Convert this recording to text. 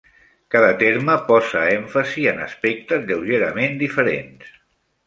Cada terme posa èmfasi en aspectes lleugerament diferents.